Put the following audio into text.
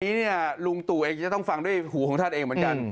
นี้เนี่ยลุงตู่เองจะต้องฟังด้วยหูของท่านเองเหมือนกัน